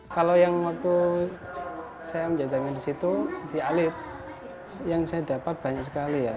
kalau yang waktu saya menjatami di situ di alit yang saya dapat banyak sekali ya